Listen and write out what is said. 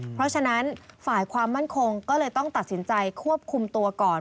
เพราะฉะนั้นฝ่ายความมั่นคงก็เลยต้องตัดสินใจควบคุมตัวก่อน